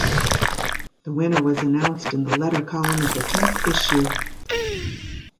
The winner was announced in the letter column of the tenth issue.